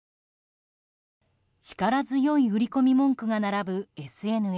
力強い売り込み文句が並ぶＳＮＳ。